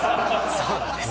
そうです